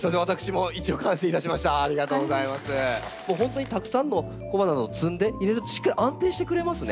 本当にたくさんの小花を積んで入れるとしっかり安定してくれますね。